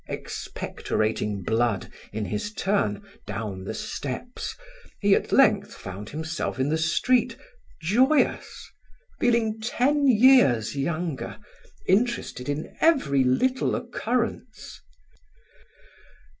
Expectorating blood, in his turn, down the steps, he at length found himself in the street, joyous, feeling ten years younger, interested in every little occurrence.